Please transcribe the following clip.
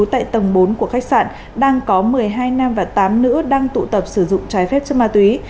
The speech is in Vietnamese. tại tầng bốn của khách sạn đang có một mươi hai nam và tám nữ đang tụ tập sử dụng trái phép chất ma túy